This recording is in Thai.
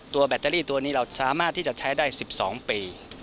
แบตเตอรี่ตัวนี้เราสามารถที่จะใช้ได้๑๒ปี